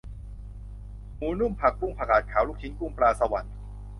หมูนุ่ม ผักบุ้ง ผักกาดขาว ลูกชิ้นกุ้ง ปลาสวรรค์